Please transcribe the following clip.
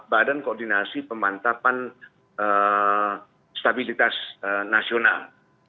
badan koordinasi pemantapan stabilitas nasional